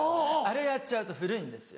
あれやっちゃうと古いんですよ。